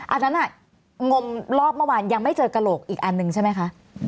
อันนั้นงมรอบเมื่อวานยังไม่เจอกระโหลกอีกอันหนึ่งใช่ไหมคะ